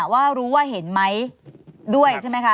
ว่ารู้ว่าเห็นไหมด้วยใช่ไหมคะ